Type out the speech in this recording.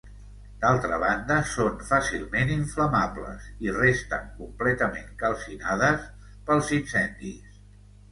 D'altra banda, són fàcilment inflamables i resten completament calcinades pels incendis.